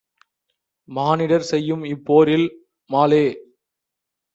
மானிடர் செய்யும் இப்போரில் மாலே!